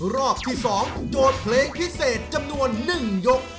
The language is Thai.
รอบที่๒โจทย์เพลงพิเศษจำนวน๑ยก